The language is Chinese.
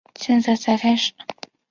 现在才开始